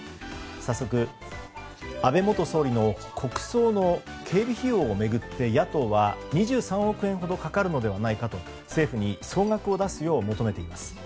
早速、安倍元総理の国葬の警備費用を巡って野党は２３億円ほどかかるのではないかと政府に総額を出すよう求めています。